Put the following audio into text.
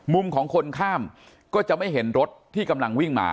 มุมของคนข้ามก็จะไม่เห็นรถที่กำลังวิ่งมา